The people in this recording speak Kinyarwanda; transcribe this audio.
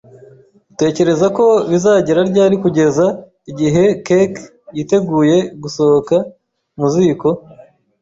Utekereza ko bizageza ryari kugeza igihe cake yiteguye gusohoka mu ziko?